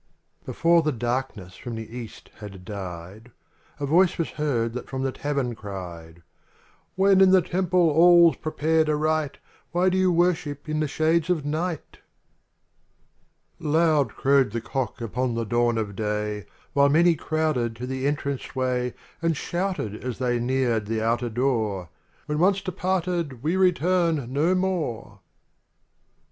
Before the darkness from the east had died, A voice was heard that from the tavern cried, " When in the temple all's prepared aright, Why do you worship in the shades of night?" 17 — [t Digitized Original from UNIVERSITY OF MICHIGAN 12 Loud crowed the cock upon the dawn of day While many crowded to the en trance way And shouted as they ncared the outer door, "Whence once departed, we return no more."